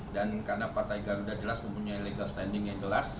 dan karena partai garuda jelas mempunyai legal standing yang jelas